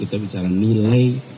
kita bicara tentang mengapas